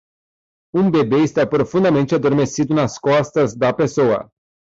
Um bebê está profundamente adormecido nas costas da pessoa.